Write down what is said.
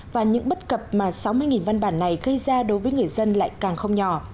và những bất cập mà sáu mươi văn bản này gây ra đối với người dân lại càng không nhỏ